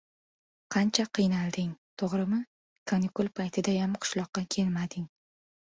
Qancha qiynalding, to‘g‘rimi? Kanikul paytidayam qishloqqa kelmading.